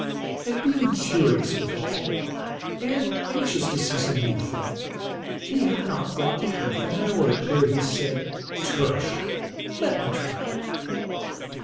And being curious withal, and anxious to see some new thing, he had not walked half an hour ere he said, " Tush ! let me try it.